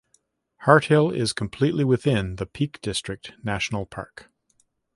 Harthill is completely within the Peak District National Park.